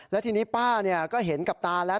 แล้วทีนี้ป้าก็เห็นกับตาแล้ว